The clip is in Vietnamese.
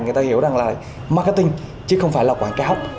người ta hiểu rằng là marketing chứ không phải là quảng cáo